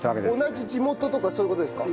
同じ地元とかそういう事ですか？